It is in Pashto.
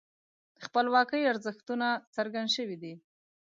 د خپلواکۍ ارزښتونه څرګند شوي دي.